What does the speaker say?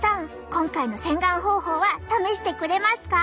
今回の洗顔方法は試してくれますか？